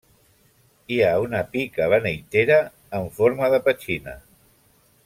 Hi ha una pica beneitera en forma de petxina.